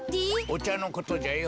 おちゃのことじゃよ。